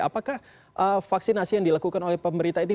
apakah vaksinasi yang dilakukan oleh pemerintah ini